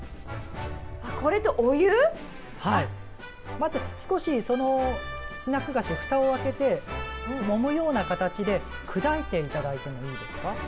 まず少しそのスナック菓子の蓋を開けてもむような形で砕いて頂いてもいいですか？